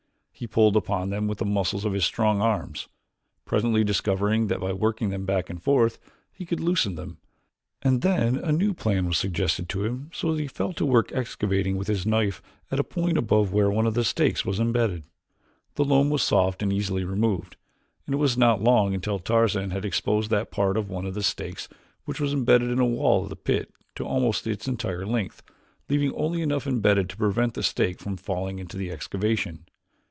He pulled upon them with the muscles of his strong arms, presently discovering that by working them back and forth he could loosen them: and then a new plan was suggested to him so that he fell to work excavating with his knife at a point above where one of the stakes was imbedded. The loam was soft and easily removed, and it was not long until Tarzan had exposed that part of one of the stakes which was imbedded in the wall of the pit to almost its entire length, leaving only enough imbedded to prevent the stake from falling into the excavation.